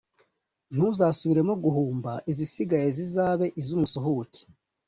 ntuzasubiremo guhumba; izisigaye zizabe iz’umusuhuke